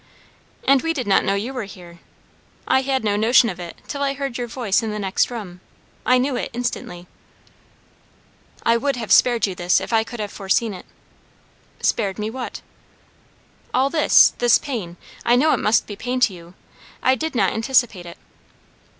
"And we did not know you were here. I had no notion of it till I heard your voice in the next room. I knew it instantly." "I would have spared you this, if I could have foreseen it." "Spared me what?" "All this, this pain, I know it must be pain to you. I did not anticipate it."